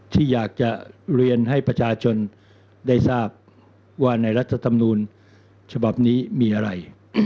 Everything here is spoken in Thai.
ที่อยากจะเรียนให้ประชาชนได้ทราบว่าในรัฐธรรมนูลฉบับนี้มีอะไร